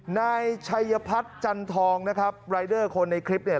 นายชัยพัฒน์จันทองนะครับรายเดอร์คนในคลิปเนี่ย